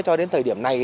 cho đến thời điểm này